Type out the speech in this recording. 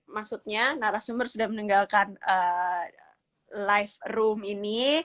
maksudnya narasumber sudah meninggalkan live room ini